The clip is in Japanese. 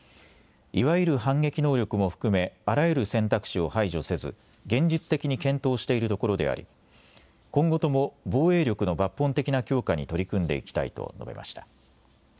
いわゆる反撃能力も含め、あらゆる選択肢を排除せず、現実的に検討しているところであり、今後とも防衛力の抜本的な強化に取り組んでいきたいと述べました。